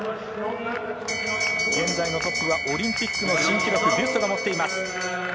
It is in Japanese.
現在のトップはオリンピックの新記録、ビュストが持っています。